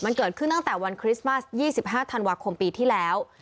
มันเกิดขึ้นตั้งแต่วันคริสต์มัส๒๕ธันวาคมปีที่แล้ว